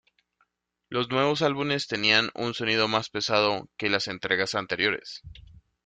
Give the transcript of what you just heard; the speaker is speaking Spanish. Los nuevos álbumes tenían un sonido más "pesado" que las entregas anteriores.